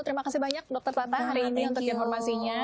terima kasih banyak dokter tata hari ini untuk informasinya